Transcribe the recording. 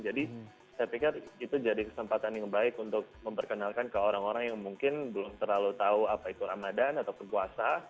jadi saya pikir itu jadi kesempatan yang baik untuk memperkenalkan ke orang orang yang mungkin belum terlalu tahu apa itu ramadan atau kepuasa